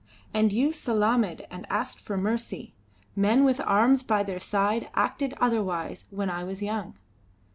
"And you salaamed and asked for mercy. Men with arms by their side acted otherwise when I was young."